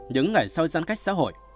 những ngày sau giãn cách xã hội